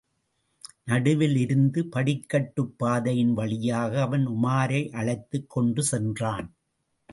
நடுவில் இருந்த படிக்கட்டுப் பாதையின் வழியாக அவன் உமாரை யழைத்துக் கொண்டு சென்றான்.